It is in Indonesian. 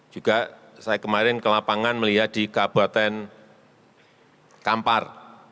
juga saya kemarin ke lapangan melihat di kabupaten kampar